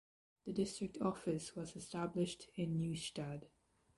The district office was established in Neustadt.